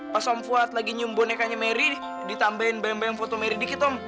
pas om fuad lagi nyumbo nekanya meri ditambahin bayang bayang foto meri dikit om